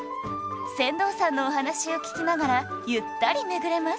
船頭さんのお話を聞きながらゆったり巡れます